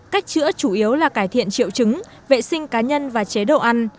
cách chữa chủ yếu là cải thiện triệu chứng vệ sinh cá nhân và chế độ ăn